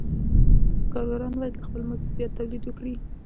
کارګران باید له خپل مزد زیات تولید وکړي